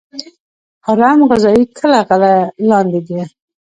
هرم غذایی کې غله لاندې ده.